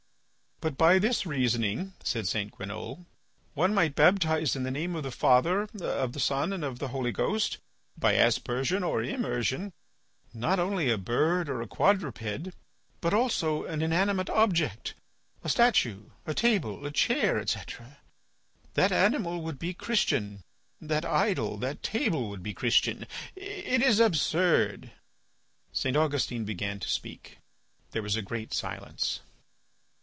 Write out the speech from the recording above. "But by this reasoning," said St. Guénolé, "one might baptize in the name of the Father, of the Son, and of the Holy Ghost, by aspersion or immersion, not only a bird or a quadruped, but also an inanimate object, a statue, a table, a chair, etc. That animal would be Christian, that idol, that table would be Christian! It is absurd!" St. Augustine began to speak. There was a great silence.